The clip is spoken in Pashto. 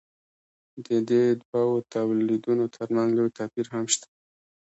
د دې دوو تولیدونو ترمنځ لوی توپیر هم شته.